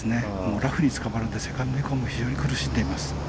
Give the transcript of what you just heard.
ラフにつかまるのでセカンド以降も非常に苦しんでいます。